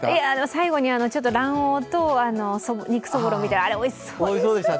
最後にちょっと卵黄と肉そぼろみたいの、あれ、おいしそうでした。